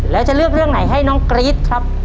แล้วจะเลือกเรื่องไหนให้น้องกรี๊ดครับ